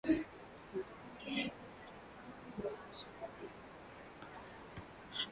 mwanadamu toka dhambini toka kwenye Uasi wa sheria Udhaifu wa Agano la kwanza haukuwa